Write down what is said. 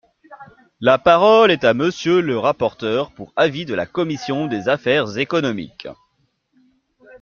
La parole est à Monsieur le rapporteur pour avis de la commission des affaires économiques.